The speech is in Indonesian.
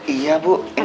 iya bu ini